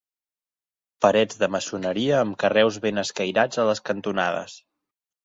Parets de maçoneria amb carreus ben escairats a les cantonades.